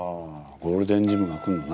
ゴールデンジムが来るのな。